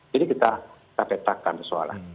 jadi kita petakan persoalan